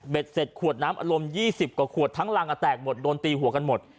เสร็จขวดน้ำอารมณ์๒๐กว่าขวดทั้งรังแตกหมดโดนตีหัวกันหมด